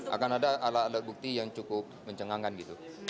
akan ada alat alat bukti yang cukup mencengangkan gitu